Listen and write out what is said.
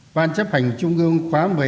ban chấp hành trung ương khóa một mươi hai